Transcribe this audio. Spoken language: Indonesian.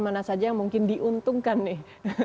mana saja yang mungkin diuntungkan nih